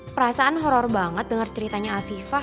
perasaan horror banget dengar ceritanya afifah